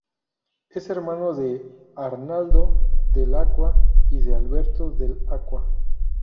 Es hermano de Arnaldo Dell'Acqua y de Alberto Dell'Acqua.